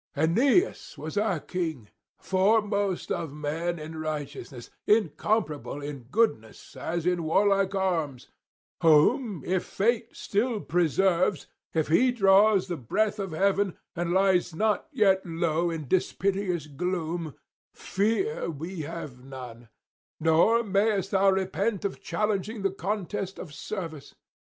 Aeneas was our king, foremost of men in righteousness, incomparable in goodness as in warlike arms; whom if fate still preserves, if he draws the breath of heaven and lies not yet low in dispiteous gloom, fear we have none; nor mayest thou repent of challenging the contest of service.